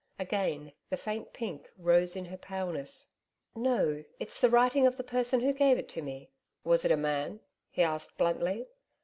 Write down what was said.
Again the faint pink rose in her paleness. 'No, it's the writing of the person who gave it to me.' 'Was it a man?' he asked bluntly.